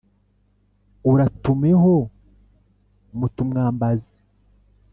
uratumeho mutumwambazi